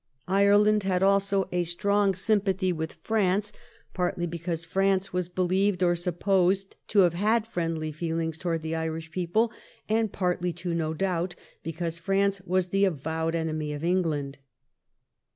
Ireland had also a strong sympathy with France, partly because France was believed or supposed to have had friendly feelings towards the Irish people, and partly, too, no doubt because France was the avowed enemy of England.